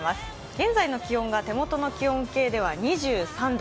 現在の気温が手元の気温計で２３度。